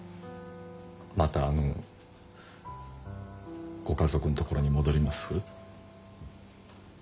またあのご家族のところに戻ります？